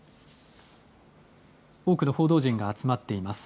多くの報道陣が集まっています。